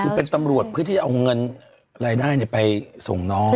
คือเป็นตำรวจเพื่อที่จะเอาเงินรายได้ไปส่งน้อง